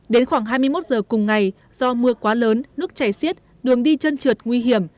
đến khoảng hai mươi một giờ cùng ngày do mưa quá lớn nước chảy xiết đường đi chân trượt nguy hiểm